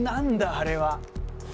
「あれは」。